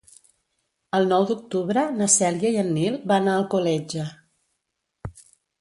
El nou d'octubre na Cèlia i en Nil van a Alcoletge.